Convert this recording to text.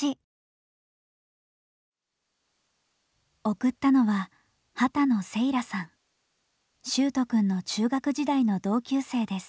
送ったのは秀斗くんの中学時代の同級生です。